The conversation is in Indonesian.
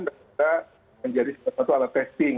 dan menjadi sesuatu alat testing